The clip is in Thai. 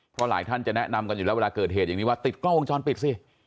เพราะหลายท่านจะแนะนำกันอยู่แล้วเวลาเกิดเหตุอย่างนี้ว่าติดกล้องวงจรปิดสิ